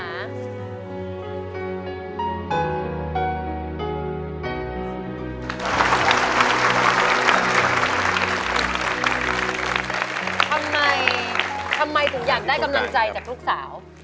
ทำไมทำไมถึงอยากได้กำลังใจจากลูกสาว